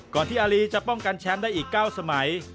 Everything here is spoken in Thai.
ที่อารีจะป้องกันแชมป์ได้อีก๙สมัย